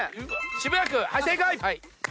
渋谷区正解！